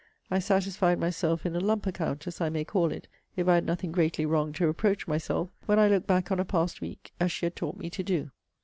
I satisfied myself in a lump account, as I may call it, if I had nothing greatly wrong to reproach myself, when I looked back on a past week, as she had taught me to do.